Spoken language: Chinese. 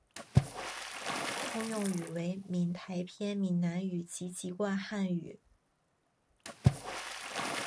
通用语为闽台片闽南语及籍贯汉语。